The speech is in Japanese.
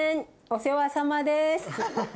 お世話さまです。